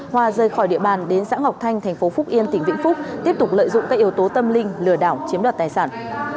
hòa rời khỏi địa bàn đến xã ngọc thanh thành phố phúc yên tỉnh vĩnh phúc tiếp tục lợi dụng các yếu tố tâm linh lừa đảo chiếm đoạt tài sản